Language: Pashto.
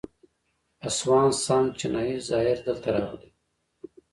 هسوان سانګ چینایي زایر دلته راغلی و